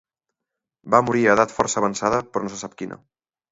Va morir a edat força avançada però no se sap quina.